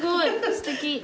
すてき。